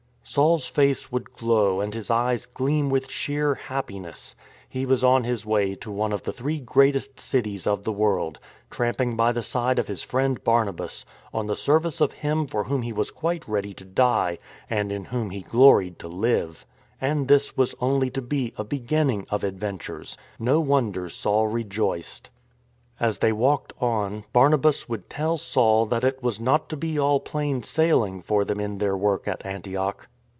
Saul's face would glow and his eyes gleam with sheer happiness. He was on his way to one of the three greatest cities of the world, tramping by the side of his friend Barnabas, on the service of Him for Whom he was quite ready to die and in Whom he gloried to live. And this was only to be a beginning of adventures. No wonder Saul rejoiced. As they walked on, Barnabas would tell Saul that it was not to be all plain sailing for them in their work at Antioch.